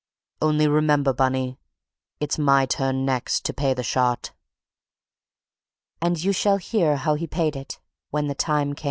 Only remember, Bunny, it's my turn next to pay the shot!" You shall hear how he paid it when the time came.